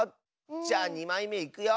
じゃあ２まいめいくよ。